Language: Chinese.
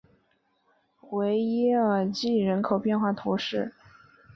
维耶尔济人口变化图示